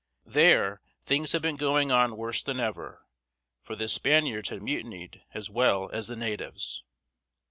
There things had been going on worse than ever, for the Spaniards had mutinied, as well as the natives.